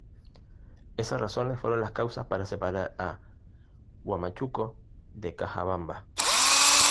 Esas razones fueron las causas para separar a Huamachuco de Cajabamba.